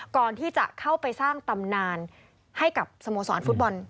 ก่อนที่จะเข้าไปสร้างตำนานให้กับสโมสรฟุตบอล